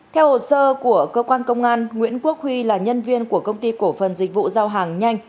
theo hồ sơ của cơ quan công an nguyễn quốc huy là nhân viên của công ty cổ phần dịch vụ giao hàng nhanh